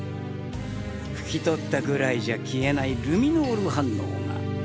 拭き取ったぐらいじゃ消えないルミノール反応が。